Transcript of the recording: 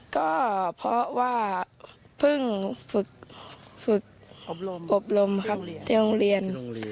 ก็เพราะว่าเพิ่งฝึกอบรมครับที่โรงเรียน